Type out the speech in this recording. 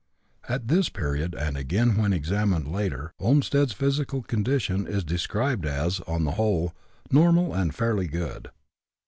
At this period, and again when examined later, Olmstead's physical condition is described as, on the whole, normal and fairly good.